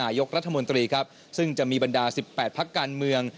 ยกรัฐมนตรีครับซึ่งจะมีบรรดา๑๘พักการเมือง